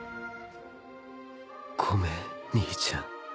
ごめん兄ちゃん